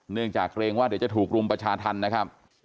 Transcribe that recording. เนื่องจากเกรงว่าเดี๋ยวจะถูกรุมประชาธรรมนะครับ